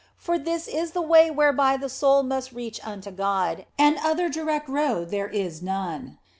For this is the way whereby the soul must reach unto God, and other direct road is there none.